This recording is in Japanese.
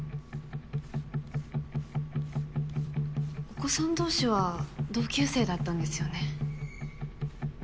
お子さん同士は同級生だったんですよね。